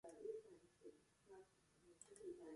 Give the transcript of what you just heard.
Varbūt labāk pasaki, ko man ar tevi izdarīt?